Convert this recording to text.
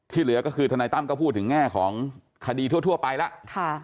เหลือก็คือทนายตั้มก็พูดถึงแง่ของคดีทั่วไปแล้ว